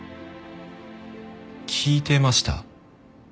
聞いてました？